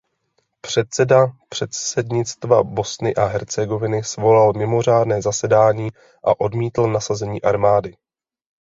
Předseda předsednictva Bosny a Hercegoviny svolal mimořádné zasedání a odmítl nasazení armády.